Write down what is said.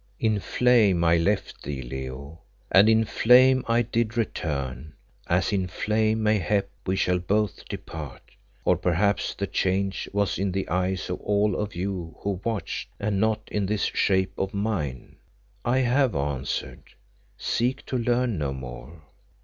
"In flame I left thee, Leo, and in flame I did return, as in flame, mayhap, we shall both depart. Or perhaps the change was in the eyes of all of you who watched, and not in this shape of mine. I have answered. Seek to learn no more."